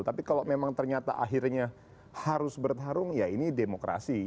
tapi kalau memang ternyata akhirnya harus bertarung ya ini demokrasi